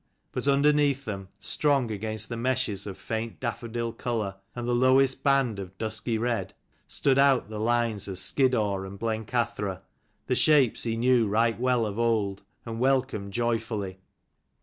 But underneath them, strong against the meshes of faint daffodil colour, and the lowest band of dusky red, stood out the lines of Skiddaw and Blencathra, the shapes he knew right well of old, and welcomed joyfully.